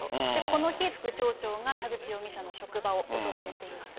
この日、副町長が田口容疑者の職場を訪れています。